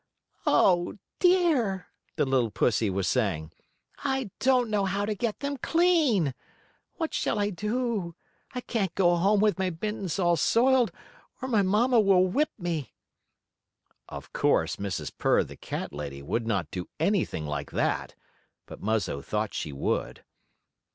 "Oh, dear!" the little pussy was saying. "I don't know how to get them clean! What shall I do? I can't go home with my mittens all soiled, or my mamma will whip me." Of course, Mrs. Purr, the cat lady, would not do anything like that, but Muzzo thought she would.